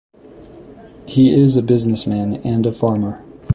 He is a businessman, and a farmer.